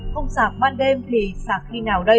không xạc ban đêm thì xạc khi nào đây